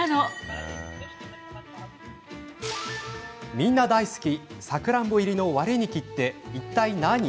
みんな大好きサクランボ入りのワレニキっていったい、何？